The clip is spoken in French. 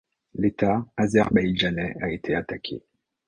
L'état azerbaïdjanais a été attaqué.